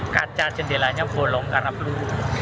kaca jendelanya bolong karena peluru